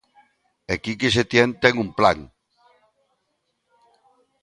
E Quique Setién ten un plan.